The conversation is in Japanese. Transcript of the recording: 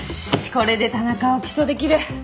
これで田中を起訴できる！